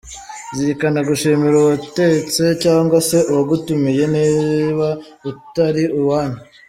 Zirikana gushimira uwatetse cyangwa se uwagutumiye niba utari iwanyu;.